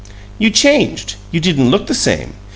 "You changed; you didn't look the same.